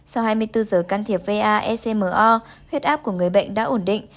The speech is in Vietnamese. sau hai mươi bốn giờ can thiệp va ecmo huyết áp của người bệnh đã ổn định